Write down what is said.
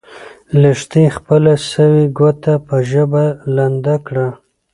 لښتې خپله سوې ګوته په ژبه لنده کړه.